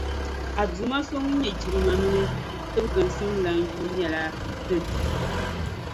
A Duuma So Ŋun nyɛ jilima mini tibiginsim lana yuli nyɛla din tibigi.